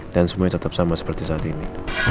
dan semuanya tetap sama seperti saat ini